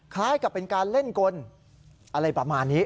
คล้ายกับเป็นการเล่นกลอะไรประมาณนี้